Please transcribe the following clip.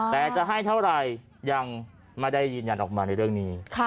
แต่จะให้เท่าไหร่ยังไม่ได้ยืนยันออกมาในเรื่องนี้